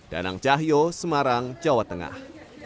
danang cahyo semarang jawa tengah